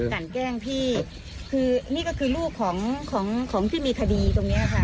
กันแกล้งพี่คือนี่ก็คือลูกของของที่มีคดีตรงเนี้ยค่ะ